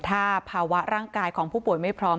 ถ้าภาวะร่างกายของผู้ป่วยไม่พร้อม